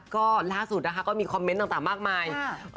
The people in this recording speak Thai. ก็ล่าสุดนะคะก็มีคอมเมนต์ต่างมากมาย